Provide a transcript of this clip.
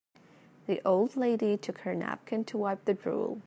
The old lady took her napkin to wipe the drool.